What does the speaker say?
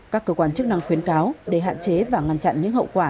các cơ quan chức năng khuyến cáo để hạn chế và ngăn chặn những hậu quả